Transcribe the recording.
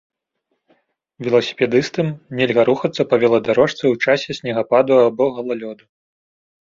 Веласіпедыстам нельга рухацца па веладарожцы ў часе снегападу або галалёду.